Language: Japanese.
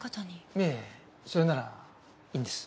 いえそれならいいんです。